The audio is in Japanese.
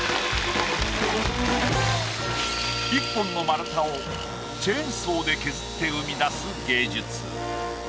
１本の丸太をチェーンソーで削って生み出す芸術。